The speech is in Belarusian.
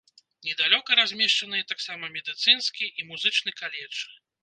Недалёка размешчаныя таксама медыцынскі і музычны каледжы.